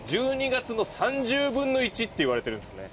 １２月の３０分の１っていわれてるんですね。